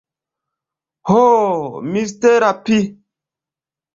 Ho, mistera pi!